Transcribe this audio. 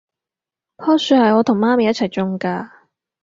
樖樹係我同媽咪一齊種㗎